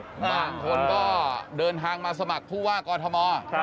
บางคนก็เดินทางมาสมัครผู้ว่ากอทม